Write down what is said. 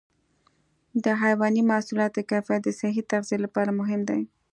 د حيواني محصولاتو کیفیت د صحي تغذیې لپاره مهم دی.